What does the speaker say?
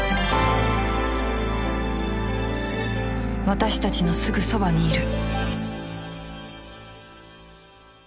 私たちのすぐそばにいる